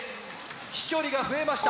飛距離が増えました。